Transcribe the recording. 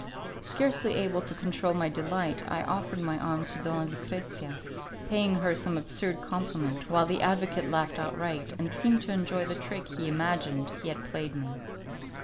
Scarcely able to control my delight, I offered my arm to Donna Lucrezia, paying her some absurd compliment, while the advocate laughed outright, and seemed to enjoy the trick he imagined he had played me.